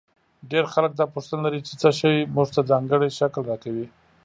ډېر خلک دا پوښتنه لري چې څه شی موږ ته ځانګړی شکل راکوي.